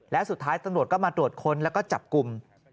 และสุดท้ายตำรวจก็มาตรวจค้นแล้วก็จับกลุ่ม